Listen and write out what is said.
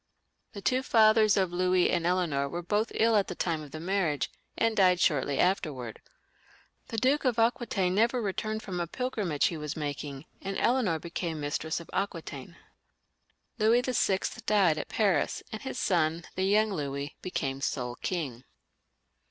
The two fathers of Louis and Eleanor were both ill at the time of the marriage, and died shortly after. The Duke of Aqui taine never returned from a pilgrimage which he had been making, and Eleanor became mistress of Aquitaine. Louis VL died at Paris, and his son, the young Louis, became sole king.